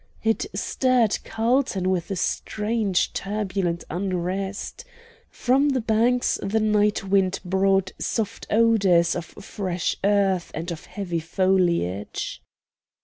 It stirred Carlton with a strange turbulent unrest. From the banks the night wind brought soft odors of fresh earth and of heavy foliage.